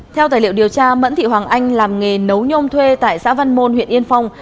theo tài liệu điều tra mẫn thị hoàng anh làm nghề nấu nhôm thuê tại xã văn môn huyện yên phong